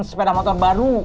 sepeda motor baru